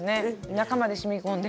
中までしみ込んで。